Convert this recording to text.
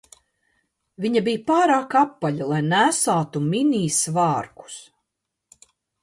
Viņa bija pārāk apaļa, lai nēsātu mini svārkus